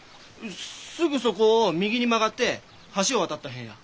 すぐそこを右に曲がって橋を渡った辺や。